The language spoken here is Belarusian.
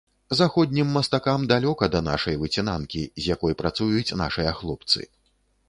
Заходнім мастакам далёка да нашай выцінанкі, з якой працуюць нашыя хлопцы.